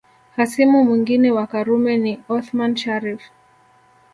Hasimu mwingine wa Karume ni Othman Sharrif